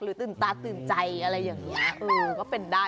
ตื่นตาตื่นใจอะไรอย่างนี้เออก็เป็นได้